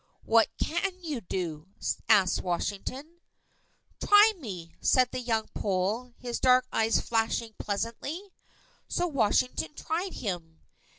"What can you do?" asked Washington. "Try me!" said the young Pole, his dark eyes flashing pleasantly. So Washington tried him.